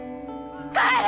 帰れ！